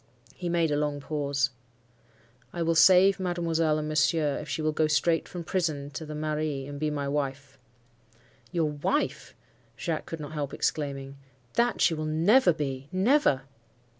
"He made a long pause. 'I will save mademoiselle and monsieur, if she will go straight from prison to the mairie, and be my wife.' "'Your wife!' Jacques could not help exclaiming, 'That she will never be—never!